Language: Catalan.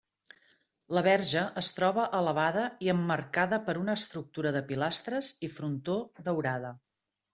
La Verge es troba elevada i emmarcada per una estructura de pilastres i frontó daurada.